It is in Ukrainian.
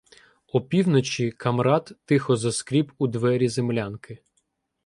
Опівночі Камрад тихо заскріб у двері землянки.